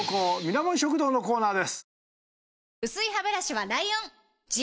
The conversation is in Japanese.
ミラモン食堂のコーナーです。